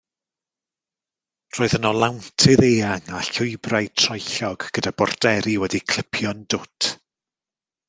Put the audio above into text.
Roedd yno lawntydd eang a llwybrau troellog gyda borderi wedi'u clipio'n dwt.